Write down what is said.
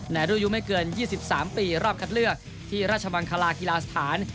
ในรุ่นอายุไม่เกิน๒๓ปีรอบคัดเลือกที่ราชมังคลากีฬาสถาน